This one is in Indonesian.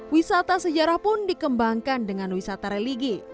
wisata sejarah pun dikembangkan dengan wisata religi